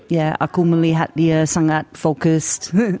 ya aku melihat dia sangat fokus